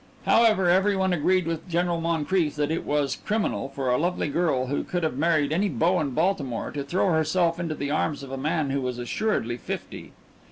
However, every one agreed with General Moncrief that it was "criminal" for a lovely girl who could have married any beau in Baltimore to throw herself into the arms of a man who was assuredly fifty.